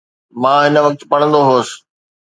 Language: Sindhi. مان هن وقت پڙهندو هوس.